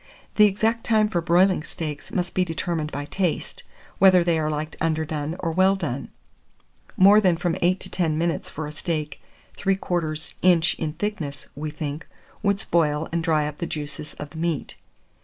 The exact time for broiling steaks must be determined by taste, whether they are liked underdone or well done; more than from 8 to 10 minutes for a steak 3/4 inch in thickness, we think, would spoil and dry up the juices of the meat.